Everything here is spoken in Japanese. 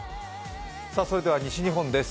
それでは西日本です。